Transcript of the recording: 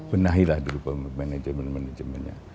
benahi lah dulu manajemen manajemennya